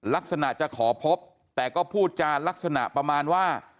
ลักษณะจะขอพบแต่ก็พูดจานลักษณะประมาณว่า